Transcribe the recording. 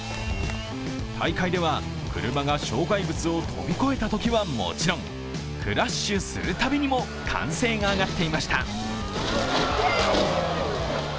大会では、車が障害物を飛び越えたときはもちろん、クラッシュするたびにも歓声が上がっていました。